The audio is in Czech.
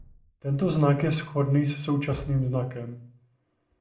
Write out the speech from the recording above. Tento znak je shodný se současným znakem.